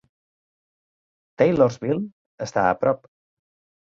Taylorsville està a prop.